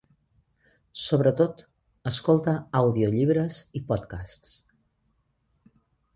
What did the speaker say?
Sobretot escolta àudiollibres i podcasts